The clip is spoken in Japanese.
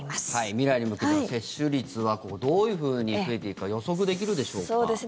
未来に向けての接種率はどういうふうに増えていくか予測できるでしょうか。